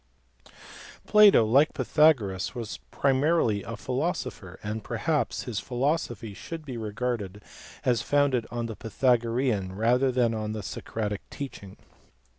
Plato, like Pythagoras, was primarily a philosopher , and perhaps his philosophy should be regarded as founded on the Pythagorean rather than on the Socratic teaching.